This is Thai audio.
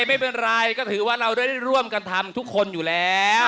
ไม่เป็นไรก็ถือว่าเราได้ร่วมกันทำทุกคนอยู่แล้ว